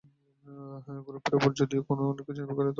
গ্রুপের ওপর যদিও অনেক কিছু নির্ভর করবে, তবু আমি চাই ফাইনালে খেলতে।